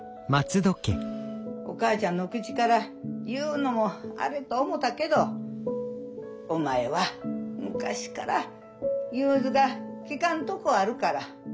お母ちゃんの口から言うのもあれと思たけどお前は昔から融通が利かんとこあるから。